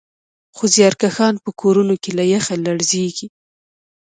خو زیارکښان په کورونو کې له یخه لړزېږي